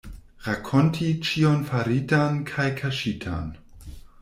Rakonti ĉion faritan kaj kaŝitan.